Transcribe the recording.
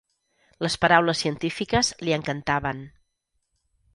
Les paraules científiques li encantaven.